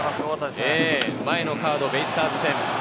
前のカード、ベイスターズ戦。